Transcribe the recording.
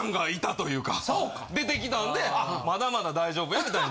出てきたんでまだまだ大丈夫やみたいな。